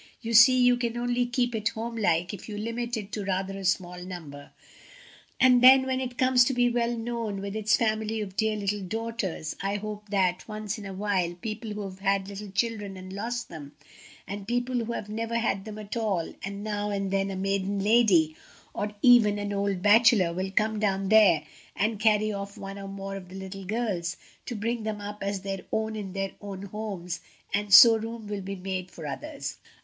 You see, you can only keep it home like if you limit it to rather a small number. And then when it comes to be well known with its family of dear little daughters, I hope that, once in a while, people who have had little children and lost them, and people who have never had them at all, and now and then a maiden lady, or even an old bachelor, will come down there and carry off one or more of the little girls, to bring them up as their own in their own homes, and so room will be made for others."